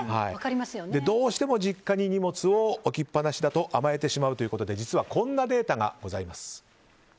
どうしても実家に荷物を置きっぱなしだと甘えてしまうということで実はこんなデータがございます。